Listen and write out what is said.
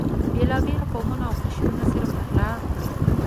بېلابېل قومونه او قشرونه سره پخلا کړي.